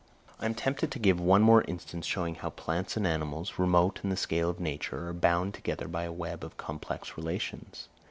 I am tempted to give one more instance showing how plants and animals, remote in the scale of nature, are bound together by a web of complex relations.